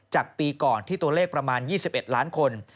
จากปีก่อนที่ตัวเลขประมาณ๒๑ล้านคน